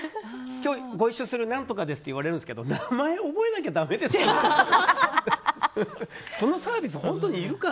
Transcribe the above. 今日、ご一緒する何とかですって言われるけど名前覚えなきゃだめですか。